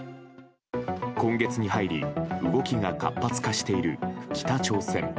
今月に入り動きが活発化している北朝鮮。